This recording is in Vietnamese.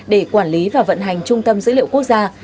để quản lý và vận hành trung tâm dữ liệu quốc gia